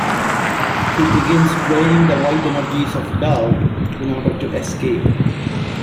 He begins draining the white energies of Dove in order to escape.